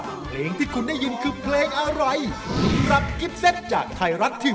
ร่วมสนุกได้ทุกวันเสาร์ตั้งแต่เวลา๑๙นาฬิกาจนถึงวันอาทิตย์เวลา๒๓นาฬิกา๕๙นาที